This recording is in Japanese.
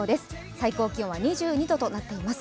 最高気温は２２度となっています。